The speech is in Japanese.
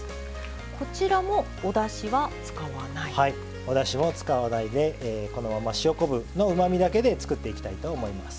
おだしを使わないでこのまま塩昆布のうまみだけで作っていきたいと思います。